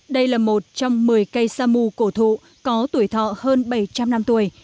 đây là một trong một mươi cây samu cổ thụ có tuổi thọ hơn bảy trăm linh năm tuổi